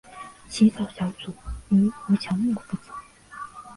起草小组由胡乔木负责。